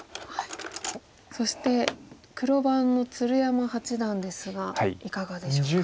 そして黒番の鶴山八段ですがいかがでしょうか？